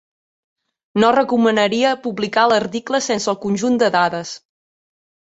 No recomanaria publicar l'article sense el conjunt de dades.